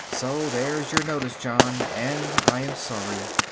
So there's your notice, John, and I am sorry!